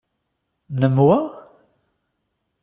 Nnem wa?